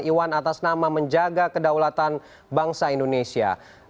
iwan atas nama menjaga kedaulatan bangsa indonesia